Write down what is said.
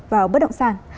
vào bất động sản